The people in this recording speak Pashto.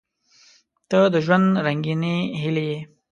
• ته د ژوند رنګینې هیلې یې.